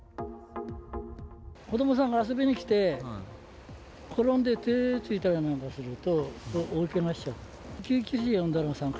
子どもさんが遊びに来て、転んで手をついたりなんかすると、大けがしちゃう。